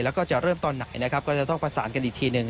แล้วก็จะเริ่มตอนไหนนะครับก็จะต้องประสานกันอีกทีหนึ่ง